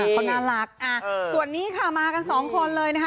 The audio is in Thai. เขาน่ารักส่วนนี้ค่ะมากันสองคนเลยนะคะ